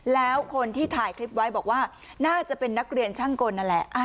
แล้วคนที่ถ่ายคลิปไว้บอกว่าน่าจะเป็นนักเรียนช่างกลนั่นแหละ